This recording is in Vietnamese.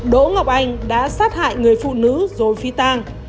đỗ ngọc anh đã sát hại người phụ nữ rồi phi tang